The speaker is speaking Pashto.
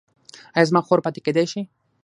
ایا زما خور پاتې کیدی شي؟